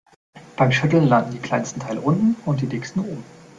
Beim Schütteln landen die kleinsten Teile unten und die dicksten oben.